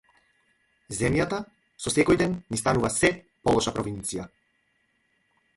Земјата со секој ден ни станува сѐ полоша провинција.